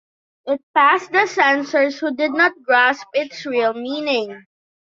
It passed the censors who did not grasp its real meaning.